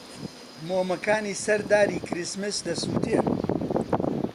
مۆمەکانی سەر داری کریسمس دەسووتێن.